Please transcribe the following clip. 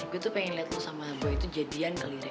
gue tuh pengen liat lo sama boy tuh jadian kali re